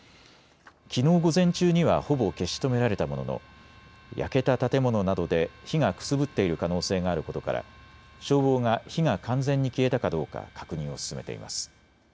きのう午前中にはほぼ消し止められたものの焼けた建物などで火がくすぶっている可能性があることから消防が火が完全に消えたかどうか確認を進めています。